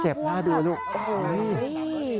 เจ็บหน้าดูลูกโอ้โฮ